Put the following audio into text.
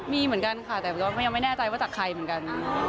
มีเหมือนกันค่ะแต่ก็ยังไม่แน่ใจว่าจากใครเหมือนกัน